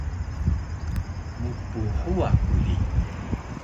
Mphuwa ku di?